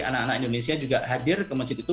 anak anak indonesia juga hadir ke masjid itu